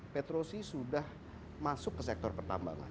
petrosi sudah masuk ke sektor pertambangan